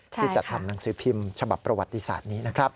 ที่จะทำหนังสือพิมพ์ฉบับประวัติศาสตร์นี้นะครับ